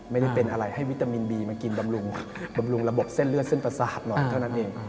ไม่ได้เป็นอะไรให้วิตามินบีมากินบำรุงระบบเส้นเลือดเส้นประสาทหรอกเท่านั้นเอง